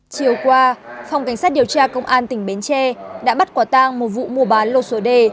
chiều qua phòng cảnh sát điều tra công an tỉnh bến tre đã bắt quả tang một vụ mua bán lô số đề